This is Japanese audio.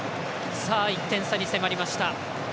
１点差に迫りました。